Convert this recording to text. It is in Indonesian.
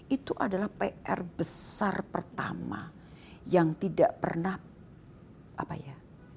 itu adalah pr besar pertama yang tidak pernah apa ya